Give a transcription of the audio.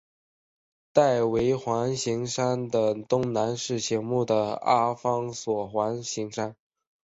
戴维环形山的东南是醒目的阿方索环形山。